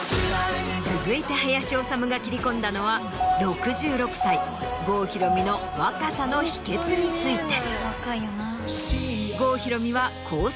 続いて林修が切り込んだのは６６歳郷ひろみの若さの秘訣について。